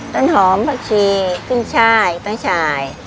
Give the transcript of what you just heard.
ต้นหอมบะฉีบินชายตั้งใหญ่